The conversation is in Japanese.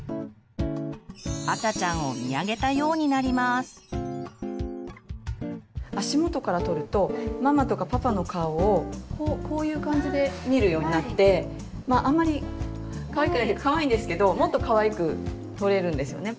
赤ちゃんを足元から撮るとママとかパパの顔をこういう感じで見るようになってまああんまりかわいくないというかかわいいんですけどもっとかわいく撮れるんですよね。